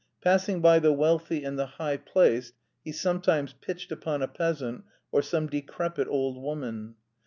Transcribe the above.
Passing by the wealthy and the high placed, he sometimes pitched upon a peasant or some decrepit old woman.